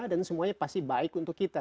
dan semuanya pasti baik untuk kita